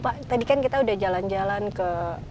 pak tadi kan kita udah jalan jalan ke